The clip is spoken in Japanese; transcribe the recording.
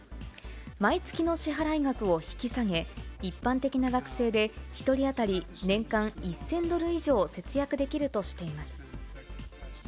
毎月の支払額を引き下げ、一般的な学生で１人当たり年間１０００ドル以上節約できるとしています。